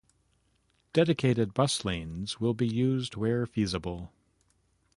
Dedicated bus lanes will be used where feasible.